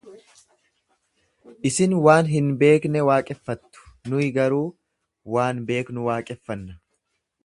Isin waan hin beekne waaqeffattu, nuyi garuu waan beeknu waaqeffanna.